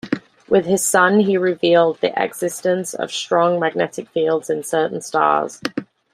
With his son he revealed the existence of strong magnetic fields in certain stars.